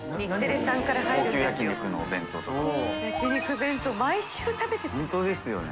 焼き肉弁当毎週食べてたよね。